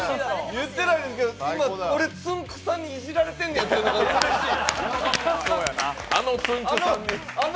言ってないですけど今俺つんくさんにいじられてるのがうれしい！